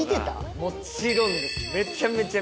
もちろんです！